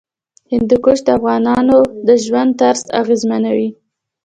هندوکش د افغانانو د ژوند طرز اغېزمنوي.